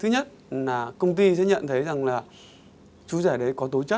khi bắt đầu nhập vai chú rẻ